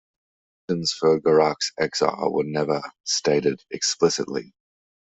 The reasons for Garak's exile were never stated explicitly.